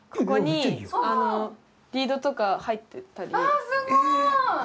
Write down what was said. ああすごい！